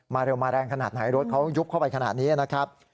เร็วมาแรงขนาดไหนรถเขายุบเข้าไปขนาดนี้นะครับ